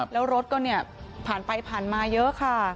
แล้วรถก็เนี่ยผ่านไปผ่านมาเยอะค่ะ